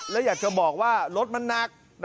แล้วอยากจะบอกว่ารถมันหนัก